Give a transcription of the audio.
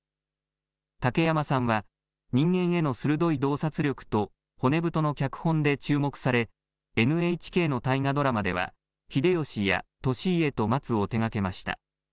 竹山さんは、人間への鋭い洞察力と、骨太の脚本で注目され、ＮＨＫの大河ドラマでは、秀吉や利家とまつを手がけました。